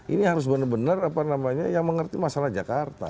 ini harus benar benar yang mengerti masalah jakarta